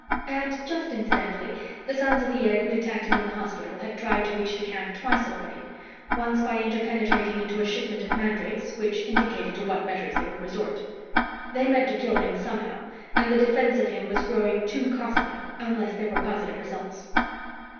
And, just incidentally, the Sons of the Egg who'd attacked him in the hospital had tried to reach the camp twice already, once by interpenetrating into a shipment of mandrakes, which indicated to what measures they would resort. They meant to kill him somehow, and the defense of him was growing too costly unless there were positive results.